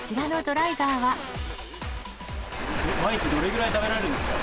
毎日どのぐらい食べられるんですか？